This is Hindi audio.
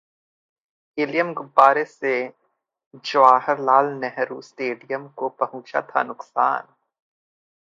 हीलियम गुब्बारे से जवाहरलाल नेहरू स्टेडियम को पहुंचा था नुकसान